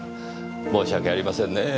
申し訳ありませんねぇ。